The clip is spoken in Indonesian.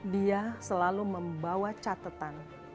dia selalu membawa catatan